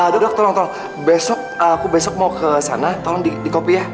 dok tolong tolong besok aku besok mau ke sana tolong di kopi ya